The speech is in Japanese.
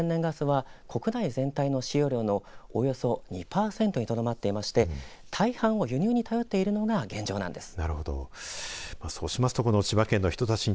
国産の天然ガスは国内全体の使用量のおよそ２％にとどまっていまして大半を輸入に頼っているのが現状なんです。